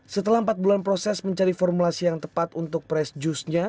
setelah empat bulan proses mencari formulasi yang tepat untuk press juice nya